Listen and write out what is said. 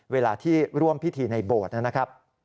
เวลาที่ร่วมพิธีในโบสถ์นะครับ